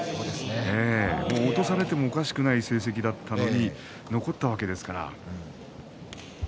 落とされてもおかしくない成績だったのに残ったわけですから。